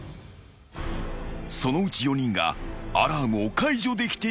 ［そのうち４人がアラームを解除できていない］